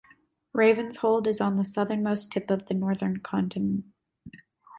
Ravenshold is on the southernmost tip of the northern continent.